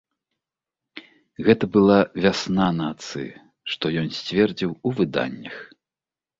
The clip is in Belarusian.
Гэта была вясна нацыі, што ён сцвердзіў у выданнях.